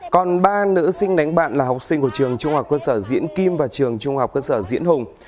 còn ba nữ sinh đánh bạn là học sinh của trường trung học cơ sở diễn kim và trường trung học cơ sở diễn hùng